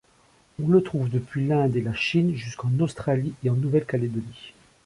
On le trouve depuis l'Inde et la Chine jusqu'en Australie et en Nouvelle-Calédonie.